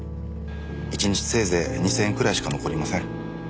一日せいぜい２０００円くらいしか残りません。